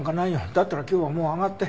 だったら今日はもう上がって。